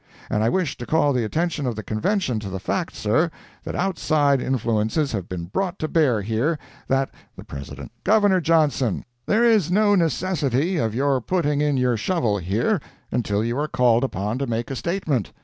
And I wish to call the attention of the Convention to the fact, sir, that outside influences have been brought to bear, here, that—" The President—"Governor Johnson, there is no necessity of your putting in your shovel here, until you are called upon to make a statement.